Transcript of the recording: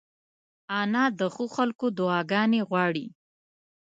انا د ښو خلکو دعاګانې غواړي